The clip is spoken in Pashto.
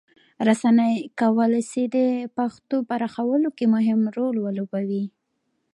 رسنۍ کولی سي د پښتو پراخولو کې مهم رول ولوبوي.